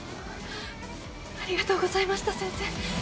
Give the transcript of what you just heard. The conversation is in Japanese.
ありがとうございました先生。